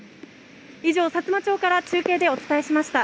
以上、さつま町から中継でお伝えしました。